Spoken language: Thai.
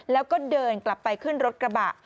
แล้วก็เดินกลับไปขึ้นรถกระบะ